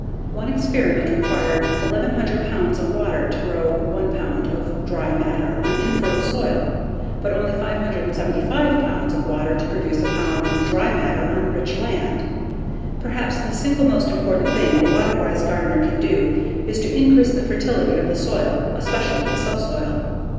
One experiment required 1,100 pounds of water to grow 1 pound of dry matter on infertile soil, but only 575 pounds of water to produce a pound of dry matter on rich land. Perhaps the single most important thing a water wise gardener can do is to increase the fertility of the soil, especially the subsoil.